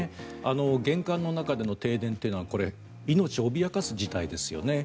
厳寒の中での停電というのはこれ、命を脅かす事態ですよね。